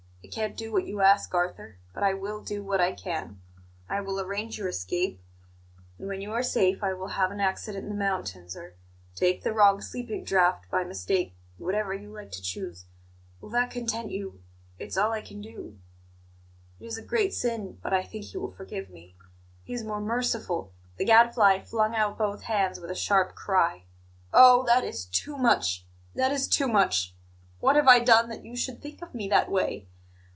I can't do what you ask, Arthur; but I will do what I can. I will arrange your escape, and when you are safe I will have an accident in the mountains, or take the wrong sleeping draught by mistake whatever you like to choose. Will that content you? It is all I can do. It is a great sin; but I think He will forgive me. He is more merciful " The Gadfly flung out both hands with a sharp cry. "Oh, that is too much! That is too much! What have I done that you should think of me that way?